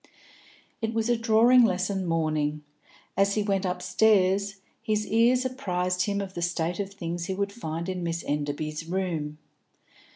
It was a drawing lesson morning. As he went upstairs, his ears apprised him of the state of things he would find in Miss Enderby's room.